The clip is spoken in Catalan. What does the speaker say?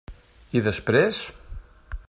I després?